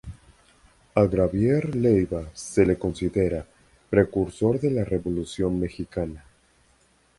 A Gabriel Leyva se le considera precursor de la Revolución Mexicana.